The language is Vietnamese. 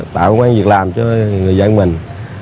tạo một bàn việc làm cho người dân mình